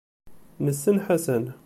Nessen Ḥasan.